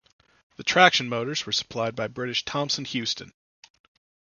The traction motors were supplied by British Thomson-Houston.